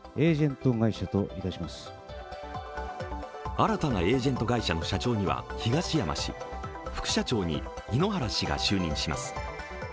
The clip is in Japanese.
新たなエージェント会社の社長には東山氏、副社長に井ノ原氏が就任します。